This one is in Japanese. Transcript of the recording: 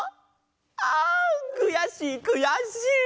あんくやしいくやしい！